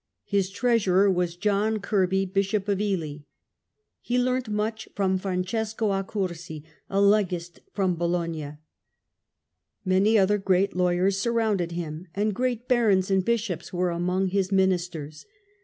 His treasurer was John Kirkby, Bishop of Ely. He learnt much from Francesco Accursi, a legist from Bologna. Many other great lawyers surrounded him, and great barons and bishops were among his ministers.